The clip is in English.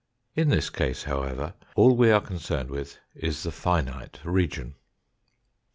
In this case, however, all we are concerned with is the finite region.